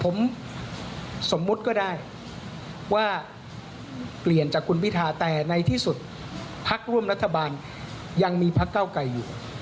ผมสมมุติก็ได้ว่าเปลี่ยนจากคุณพิธาแต่ในที่สุดพักร่วมรัฐบาลยังมีพักเก้าไก่อยู่